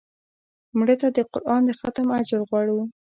مړه ته د قرآن د ختم اجر غواړو